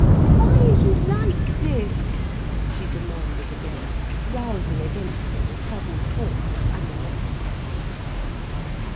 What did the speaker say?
"Why are you like this?" she demanded again, rousing against him with sudden force and animosity.